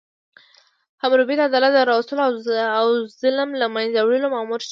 حموربي د عدالت راوستلو او ظلم له منځه وړلو مامور شو.